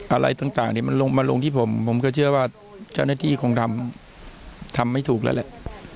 อะไรต่างที่มันลงมาลงที่ผมผมก็เชื่อว่าเจ้าหน้าที่คงทำทำไม่ถูกแล้วแหละ